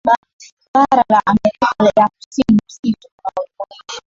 Bara la Amerika ya Kusini msitu unaojumuisha